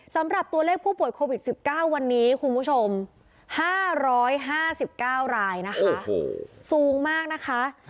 สำหรับตัวเลขผู้ป่วยโควิด๑๙วันนี้คุณผู้ชม๕๕๙รายนะคะสูงมากนะคะ